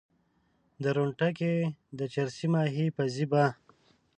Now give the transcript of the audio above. درونټه کې د چرسي ماهي پزي به